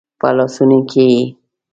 په لاسونو کې یې